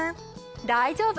大丈夫！